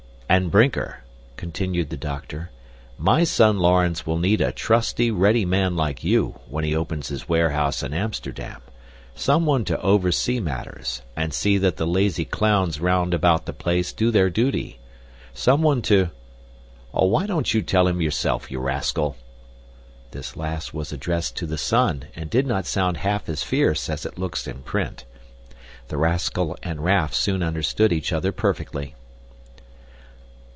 "And, Brinker," continued the doctor, "my son Laurens will need a trusty, ready man like you, when he opens his warehouse in Amsterdam, someone to oversee matters, and see that the lazy clowns round about the place do their duty. Someone to Why don't you tell him yourself, you rascal!" This last was addressed to the son and did not sound half as fierce as it looks in print. The rascal and Raff soon understood each other perfectly.